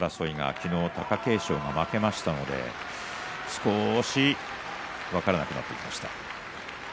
昨日貴景勝が負けましたので分からなくなってきました。